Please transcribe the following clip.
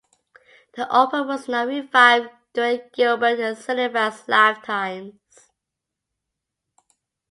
The opera was not revived during Gilbert and Sullivan's lifetimes.